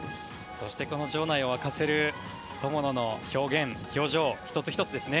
そして場内を沸かせる友野の表現、表情１つ１つですね。